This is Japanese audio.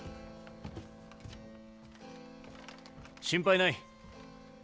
心配ない。